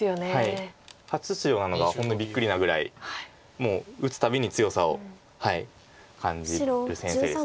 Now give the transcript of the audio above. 初出場なのが本当びっくりなぐらいもう打つたびに強さを感じる先生です。